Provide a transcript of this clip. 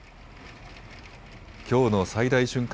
きょうの最大瞬間